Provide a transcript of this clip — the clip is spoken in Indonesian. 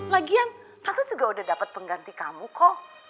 lagian tante juga udah dapet pengganti kamu kok